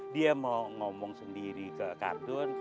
dia mau ngomong sendiri ke kartun